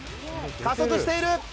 加速している。